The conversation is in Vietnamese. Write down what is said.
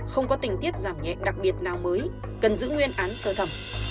không có tình tiết giảm nhẹ đặc biệt nào mới cần giữ nguyên án sơ thẩm